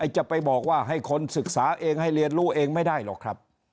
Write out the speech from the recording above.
จะไปบอกว่าให้คนศึกษาเองให้เรียนรู้เองไม่ได้หรอกครับ